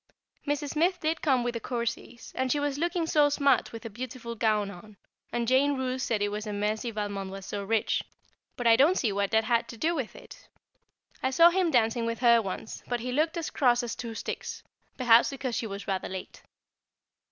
Mrs. Smith did come with the Courceys, and she was looking so smart with a beautiful gown on, and Jane Roose said it was a mercy Valmond was so rich; but I don't see what that had to do with it. I saw him dancing with her once, but he looked as cross as two sticks, perhaps because she was rather late.